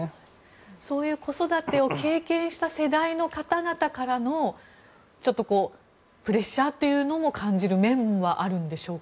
そういう子育てを経験した世代の方々からのプレッシャーというのも感じる面はあるんでしょうか。